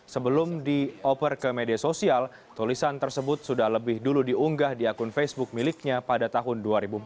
sebelum dioper ke media sosial tulisan tersebut sudah lebih dulu diunggah di akun facebook miliknya pada tahun dua ribu empat belas